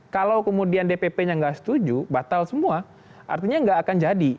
kalau kemudian dppnya enggak setuju batal semua artinya enggak akan jadi